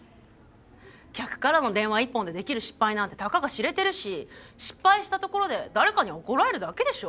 客からの電話一本でできる失敗なんてたかが知れてるし失敗したところで誰かに怒られるだけでしょ？